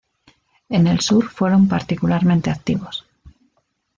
En el sur fueron particularmente activos.